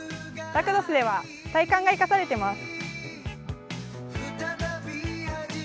ラクロスでは体幹が生かされています。